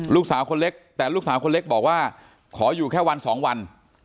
ลูกสาวคนเล็กแต่ลูกสาวคนเล็กบอกว่าขออยู่แค่วันสองวัน